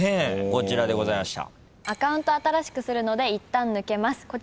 こちらでございました。